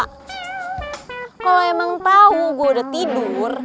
kalo emang tau gue udah tidur